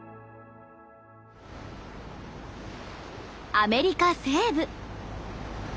アメリカ西部。